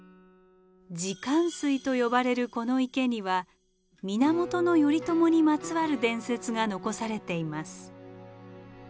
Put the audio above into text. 自鑑水と呼ばれるこの池には源頼朝にまつわる伝説が残されています。